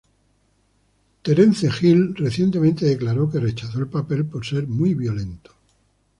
Terence Hill, recientemente declaró que rechazó el papel por ser muy violento.